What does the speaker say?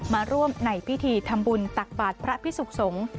มาร่วมในพิธีทำบุญตักบาทพระพิสุขสงฆ์